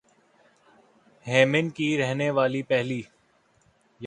یمن کی رہنے والی پہلی